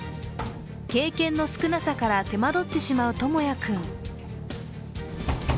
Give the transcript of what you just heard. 経験の少なさから手間取ってしまう智弥君。